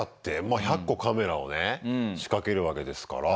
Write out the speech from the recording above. まあ１００個カメラをね仕掛けるわけですから。